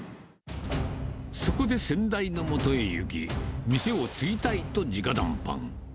そこで先代のもとへ行き、店を継ぎたいとじか談判。